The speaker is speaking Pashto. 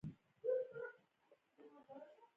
شریانونه پاکه وینه د بدن ټولو برخو ته رسوي.